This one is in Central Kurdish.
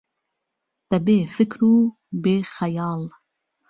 به بێ فکر و بێ خهیاڵ